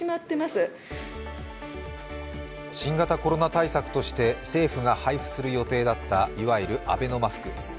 新型コロナ対策として政府が配布する予定だった、いわゆるアベノマスク。